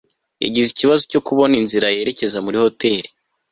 yagize ikibazo cyo kubona inzira yerekeza muri hoteri